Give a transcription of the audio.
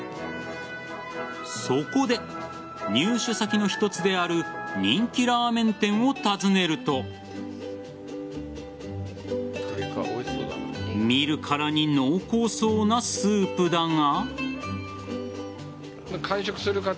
そこで、入手先の一つである人気ラーメン店を訪ねると見るからに濃厚そうなスープだが。